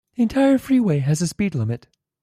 The entire freeway has a speed limit.